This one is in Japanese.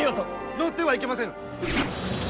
乗ってはいけませぬ！